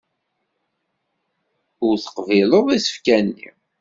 Ur teqbileḍ isefka-nni.